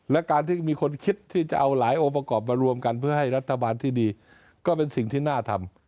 และการที่มีคนคิดที่จะเอาหลายองค์ประกอบมารวมกันเพื่อให้รัฐบาลที่ดีก็เป็นสิ่งที่น่าทำ